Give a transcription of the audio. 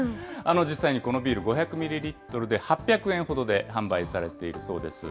実際にこのビール、５００ミリリットル８００円ほどで販売されているそうです。